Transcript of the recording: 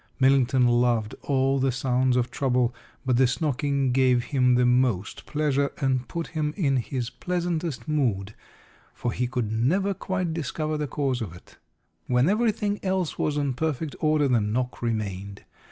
Millington loved all the sounds of trouble, but this knocking gave him the most pleasure and put him in his pleasantest mood, for he could never quite discover the cause of it. When everything else was in perfect order the knock remained.